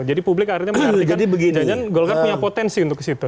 jadi publik akhirnya mengatakan jajan golkar punya potensi untuk ke situ